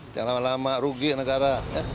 jangan lama lama rugi negara